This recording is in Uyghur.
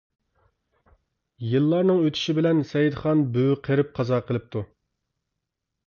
يىللارنىڭ ئۆتۈشى بىلەن سەيدىخان بۈۋى قېرىپ قازا قىلىپتۇ.